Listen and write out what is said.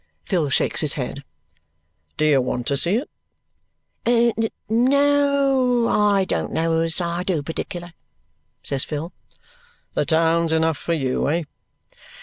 Phil shakes his head. "Do you want to see it?" "N no, I don't know as I do, particular," says Phil. "The town's enough for you, eh?"